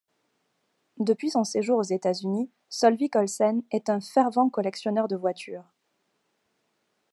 Depuis son séjour aux États-Unis, Solvik-Olsen est un fervent collectionneur de voitures.